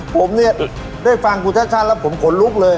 ผมเนี่ยด้วยฟังคุณชัดแล้วผมขนลุกเลย